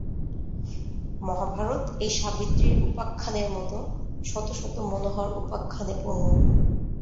মহাভারত এই সাবিত্রীর উপাখ্যানের মত শত শত মনোহর উপাখ্যানে পূর্ণ।